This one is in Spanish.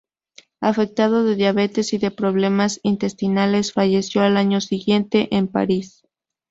Afectado de diabetes y de problemas intestinales, falleció al año siguiente en París.